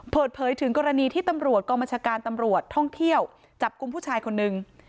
เปิดเผยถึงกรณีที่ตำรวจกองบัญชาการตำรวจท่องเที่ยวจับกลุ่มผู้ชายคนนึง